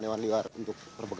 kita ke pulau itu cepat